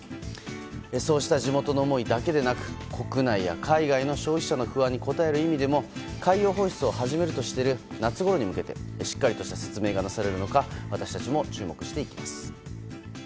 そうした地元の思いだけでなく国内や海外の消費者の不安に応える意味でも海洋放出を始めるとしている夏に向けてしっかりとした説明がなされるのか私たちも注目していきます。